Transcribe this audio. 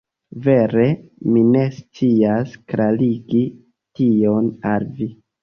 Vere, mi ne scias klarigi tion al vi.